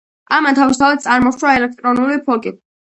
ამან, თავისთავად, წარმოშვა ელექტრონული ფოლკი.